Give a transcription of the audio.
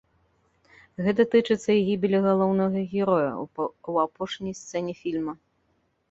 Гэта тычыцца і гібелі галоўнага героя ў апошняй сцэне фільма.